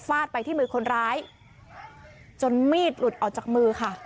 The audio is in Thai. ดไปที่มือคนร้ายจนมีดหลุดออกจากมือค่ะ